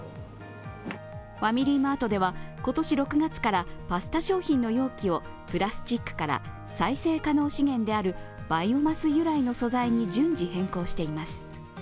ファミリーマートでは今年６月からパスタ商品の容器をプラスチックから再生可能資源であるバイオマス由来の素材に順次、変更しています。